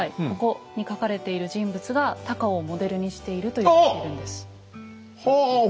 ここに描かれている人物が高尾をモデルにしているといわれてるんです。